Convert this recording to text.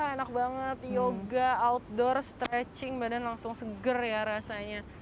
enak banget yoga outdoor stretching badan langsung seger ya rasanya